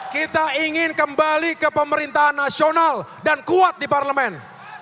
kita ingin kembali ke pemerintahan nasional dan kuat di parlemen